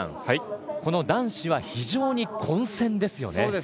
この男子は非常に混戦ですよね。